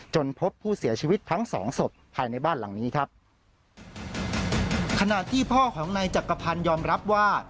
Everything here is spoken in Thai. พบผู้เสียชีวิตทั้งสองศพภายในบ้านหลังนี้ครับขณะที่พ่อของนายจักรพันธ์ยอมรับว่า